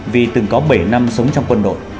vì từng có bảy năm sống trong quân đội